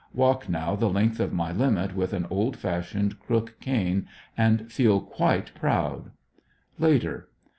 Walk now the length of my limit with an old fashioned crook cane and feel quite proud. Later.